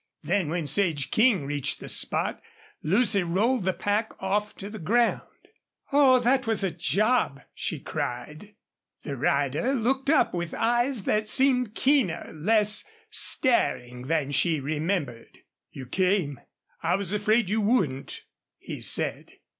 Then, when Sage King reached the spot, Lucy rolled the pack off to the ground. "Oh, that was a job!" she cried. The rider looked up with eyes that seemed keener, less staring than she remembered. "You came? ... I was afraid you wouldn't," he said.